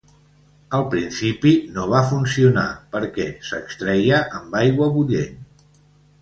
Al principi no va funcionar perquè s'extreia amb aigua bullent.